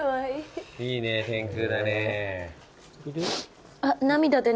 いいね天空だね。